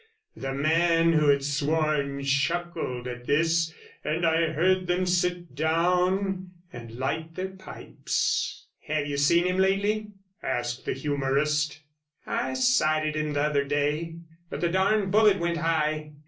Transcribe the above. The man who had sworn chuckled at this, and I heard them sit down and light their pipes. 'Have you seen him lately?' asked the humourist. 'I sighted him the other day, but the darned bullet went high.